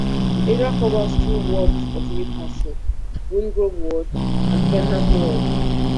The area covers two wards of Newcastle: Wingrove Ward, and Fenham Ward.